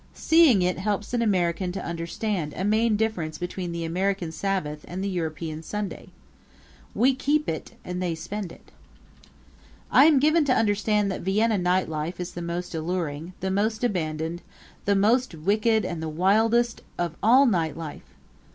Seeing it helps an American to understand a main difference between the American Sabbath and the European Sunday. We keep it and they spend it. I am given to understand that Vienna night life is the most alluring, the most abandoned, the most wicked and the wildest of all night life.